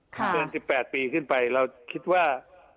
เกิน๑๘ปีขึ้นไปเราคิดว่า